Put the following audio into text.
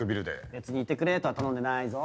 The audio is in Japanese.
別にいてくれとは頼んでないぞ？